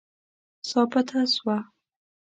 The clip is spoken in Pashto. ثابته سوه.